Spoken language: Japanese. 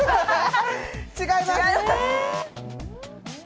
違います！